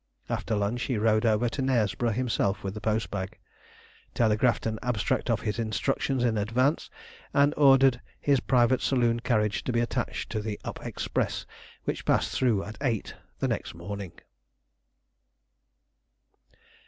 After lunch he rode over to Knaresborough himself with the post bag, telegraphed an abstract of his instructions in advance, and ordered his private saloon carriage to be attached to the up express which passed through at eight the next morning.